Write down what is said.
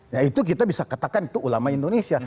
nah itu kita bisa katakan itu ulama indonesia